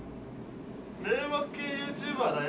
・迷惑系ＹｏｕＴｕｂｅｒだよ。